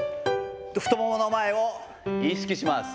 太ももの前を意識します。